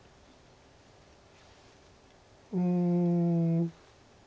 うん。